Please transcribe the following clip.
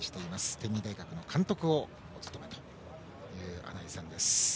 天理大学の監督をお務めという穴井さんです。